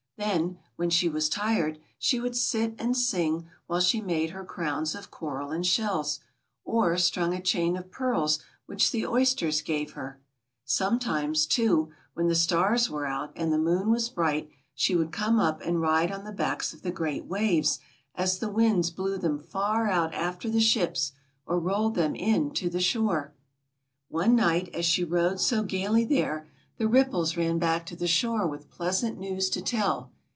Then, when she was tired, she would sit and sing while she made her crowns of coral and shells, or strung a chain of pearls which the oysters gave her. Sometimes, too, when the stars were out and the moon was bright, she would come up and ride on the backs of the great waves as the winds blew them far out after the ships or rolled them in to the shore. 6 THE MERMAID'S MESSAGE. One night, as she rode so gayly there, the ripples ran back to the shore with pleasant news to tell.